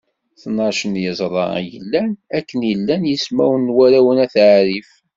Tnac n yeẓra i yellan, akken i llan yismawen n warraw n At Ɛrif.